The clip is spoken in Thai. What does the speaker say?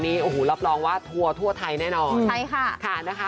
โอ้โหรับรองว่าทัวร์ทั่วไทยแน่นอนใช่ค่ะค่ะนะคะ